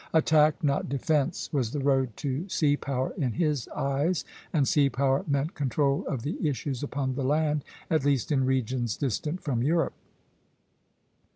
Attack, not defence, was the road to sea power in his eyes; and sea power meant control of the issues upon the land, at least in regions distant from Europe.